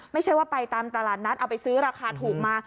ไม่ใช่ว่าไปตามตลาดนัดเอาไปซื้อราคาถูกมา